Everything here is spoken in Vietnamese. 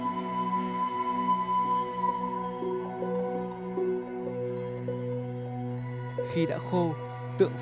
khi đã khô tượng phẫu sẽ được đem phơi nắng từ ba đến năm ngày